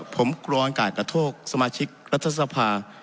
ผมกลัวอากาศกระโทษสมาชิกรัฐสภา